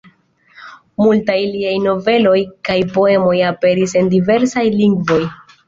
Multaj liaj noveloj kaj poemoj aperis en diversaj lingvoj.